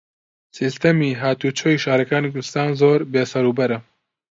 سیستەمی هاتوچۆی شارەکانی کوردستان زۆر بێسەروبەرە.